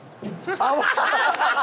泡！